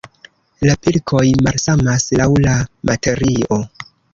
La pilkoj malsamas laŭ la materio.